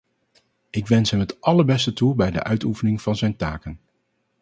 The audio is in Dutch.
Ik wens hem het allerbeste toe bij de uitoefening van zijn taken.